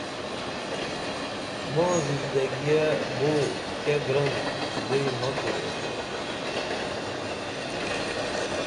ما زندگیہ بو کیہ گرن خُدئی مہ کوریبو